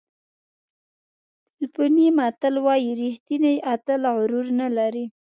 فلپیني متل وایي ریښتینی اتل غرور نه لري.